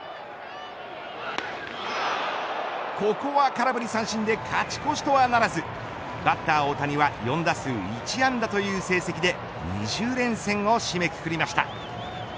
ここは空振り三振で勝ち越しとはならずバッター大谷は４打数１安打という成績で２０連戦を締めくくりました。